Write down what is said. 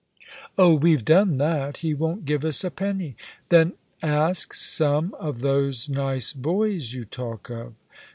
"Oh, we've done that. He won't give us a penny." "Then ask some of those nice boys you talk of."